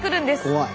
怖い。